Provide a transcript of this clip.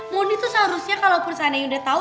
mondi tuh seharusnya kalaupun seandainya udah tau